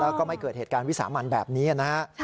แล้วก็ไม่เกิดเหตุการณ์วิสามันแบบนี้นะฮะ